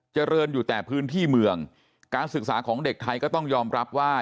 เจริญอยู่แต่พื้นที่เมืองการศึกษาของเด็กไทยก็ต้องยอมรับว่า